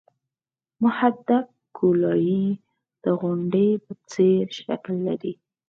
محدب ګولایي د غونډۍ په څېر شکل لري